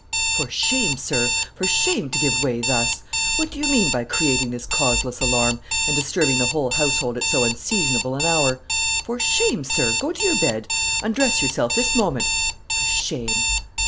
"For shame, sir, for shame, to give way thus. What do you mean by creating this causeless alarm, and disturbing the whole household at so unseasonable an hour? For shame, sir; go to your bed; undress yourself this moment; for shame."